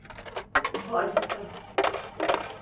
Bu acıttı!